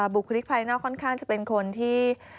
บุคลิกภายนอกค่อนข้างจะเป็นคนที่